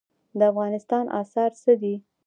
د افغانستان اسعار څه دي؟